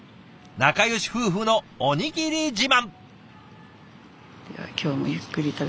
仲よし夫婦のおにぎり自慢！